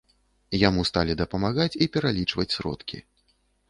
Яму сталі дапамагаць і пералічваць сродкі.